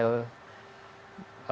ya di mana